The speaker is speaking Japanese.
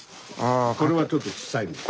これはちょっとちっさいです。